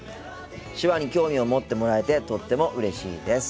手話に興味を持ってもらえてとってもうれしいです。